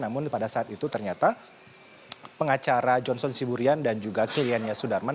namun pada saat itu ternyata pengacara johnson siburian dan juga kliennya sudarman